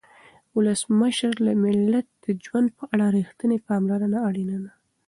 ولسمشره د ملت د ژوند په اړه رښتینې پاملرنه اړینه ده.